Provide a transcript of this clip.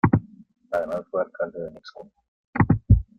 Además fue alcalde de Mixco.